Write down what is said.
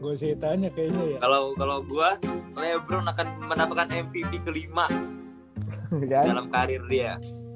gue sih tanya kayaknya kalau gue lebron akan mendapatkan mvp kelima dalam karir dia